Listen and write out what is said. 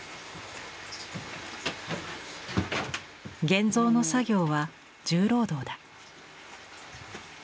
現像の作業は重労働だ。